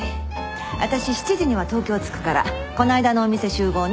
私７時には東京着くからこの間のお店集合ね。